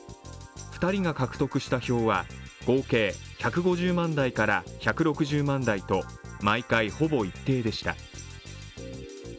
２人が獲得した票は合計１５０万台から１６０万台と毎回、ほぼ一定でした。